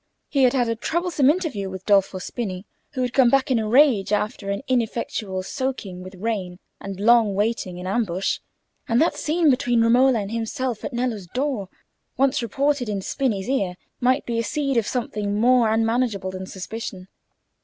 He had had a troublesome interview with Dolfo Spini, who had come back in a rage after an ineffectual soaking with rain and long waiting in ambush, and that scene between Romola and himself at Nello's door, once reported in Spini's ear, might be a seed of something more unmanageable than suspicion.